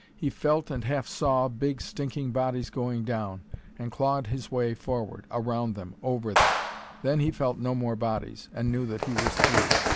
He felt and half saw big, stinking bodies going down, and clawed his way forward, around them, over them. Then he felt no more bodies, and knew that he was through.